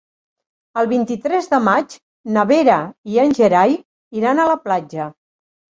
El vint-i-tres de maig na Vera i en Gerai iran a la platja.